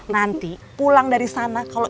nanti pulang dari sana kalau ibu kamu